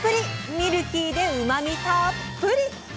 ミルキーでうまみたっぷり！